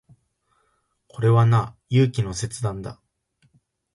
これはな、勇気の切断だ。